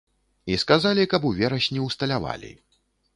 І сказалі, каб у верасні ўсталявалі.